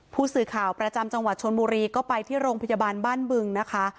ผู้สื่อข่าวประจำจังหวัดชนบุรีก็ไปที่โรงพยาบาลบ้านบึงนะคะ